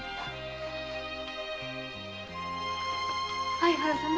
相原様。